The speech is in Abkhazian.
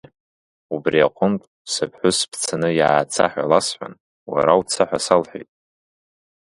Убри аҟынтә, сыԥҳәыс бцаны иааца ҳәа ласҳәан, уара уца ҳәа салҳәеит.